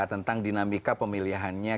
tentang dinamika pemilihannya